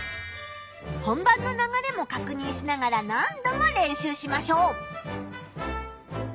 本番の流れもかくにんしながら何度も練習しましょう！